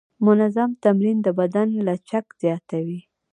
منظم تمرین د بدن لچک زیاتوي.